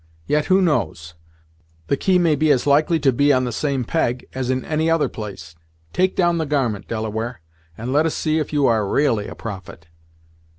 Yet, who knows? The key may be as likely to be on the same peg, as in any other place. Take down the garment, Delaware, and let us see if you are ra'ally a prophet."